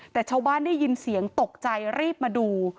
แต่ชาวบ้านได้ยินเสียงตกใจรีบมาดู